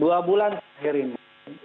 dua bulan akhir ini